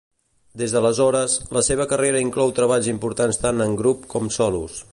Des d'aleshores, la seva carrera inclou treballs importants tant en grup com solos.